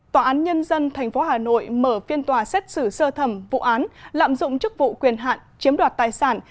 tòa án nhân dân tp hà nội mở phiên tòa xét xử sơ thẩm vụ án lạm dụng chức vụ quyền hạn chiếm đoạt tài sản